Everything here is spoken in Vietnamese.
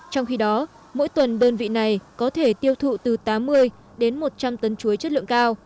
trong khi đó mỗi tuần đơn vị này có thể tiêu thụ từ tám mươi đến một trăm linh tấn chuối chất lượng cao